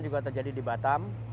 juga terjadi di batam